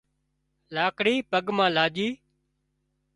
لاڪڙي پڳ مان لاڄي